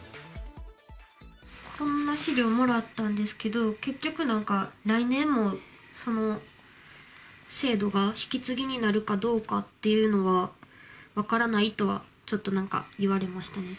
こんな資料をもらったんですけど、結局なんか、来年も、この制度が引き継ぎになるかどうかというのは分からないとは、ちょっとなんか、言われましたね。